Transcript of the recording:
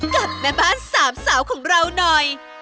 กับแม่บ้านสามสาวของเราหน่อย